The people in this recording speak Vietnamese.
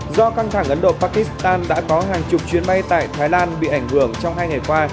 do căng thẳng ấn độ pakistan đã có hàng chục chuyến bay tại thái lan bị ảnh hưởng trong hai ngày qua